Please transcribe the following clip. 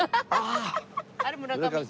あれ村上。